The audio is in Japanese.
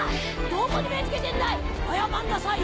どこに目ぇつけてんだい！